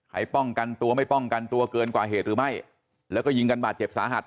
ป้องกันตัวไม่ป้องกันตัวเกินกว่าเหตุหรือไม่แล้วก็ยิงกันบาดเจ็บสาหัส